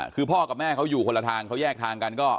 คือพ่อกับแม่เขาอยู่คนละทางเขาแยกทางกันก็